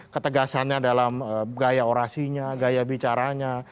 ketegasannya dalam gaya orasinya gaya bicaranya